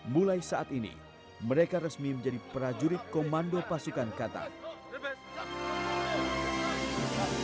mulai saat ini mereka resmi menjadi prajurit komando pasukan katak